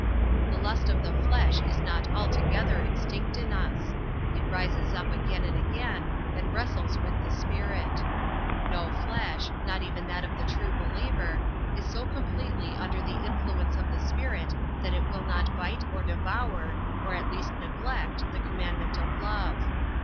The lust of the flesh is not altogether extinct in us. It rises up again and again and wrestles with the Spirit. No flesh, not even that of the true believer, is so completely under the influence of the Spirit that it will not bite or devour, or at least neglect, the commandment of love.